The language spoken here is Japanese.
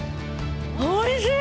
おいしい！